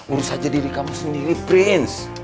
urus saja diri kamu sendiri prince